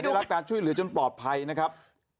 ได้รับการช่วยเหลือจนปลอดภัยนะครับ